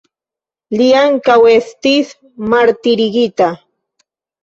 Li ankaŭ estis martirigita.